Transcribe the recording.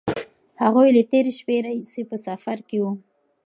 هغوی له تېرې شپې راهیسې په سفر کې وو.